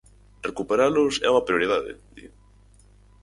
"Recuperalos é unha prioridade", di.